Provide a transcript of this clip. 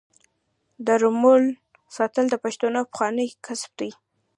د رمو ساتل د پښتنو پخوانی کسب دی.